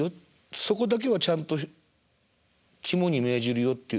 そこだけはちゃんと肝に銘じるよっていう。